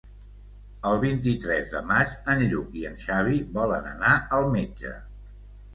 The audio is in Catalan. El vint-i-tres de maig en Lluc i en Xavi volen anar al metge.